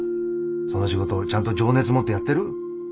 その仕事ちゃんと情熱もってやってる？